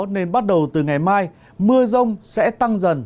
nên bắt đầu từ ngày mai mưa rông sẽ tăng dần